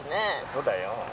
そうだよ。